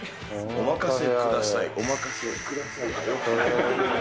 お任せくださいだよ。